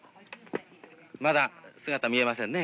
まだ姿見えませんね